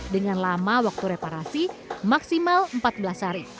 dengan lama waktu reparasi maksimal empat belas hari